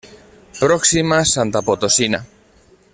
Próxima santa potosina.